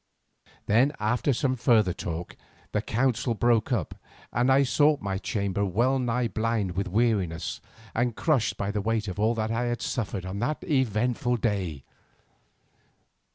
Then, after some further talk, the council broke up and I sought my chamber well nigh blind with weariness and crushed by the weight of all that I had suffered on that eventful day.